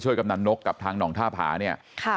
ช่วยกำนันนกกับทางนองท่าผานี่ค่ะ